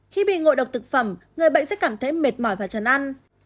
khi bị ngộ độc thực phẩm người bệnh sẽ cảm thấy mệt mỏi và trần ăn